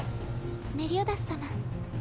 メリオダス様